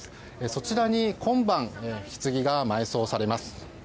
そちらに今晩、ひつぎが埋葬されます。